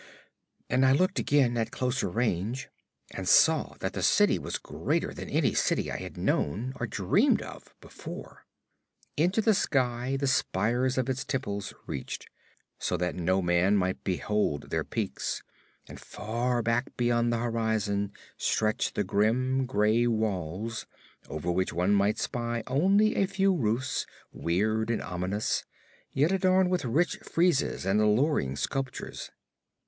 And I looked again, at closer range, and saw that the city was greater than any city I had known or dreamed of before. Into the sky the spires of its temples reached, so that no man might behold their peaks; and far back beyond the horizon stretched the grim, gray walls, over which one might spy only a few roofs, weird and ominous, yet adorned with rich friezes and alluring sculptures.